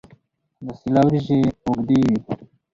د سیله وریجې اوږدې وي.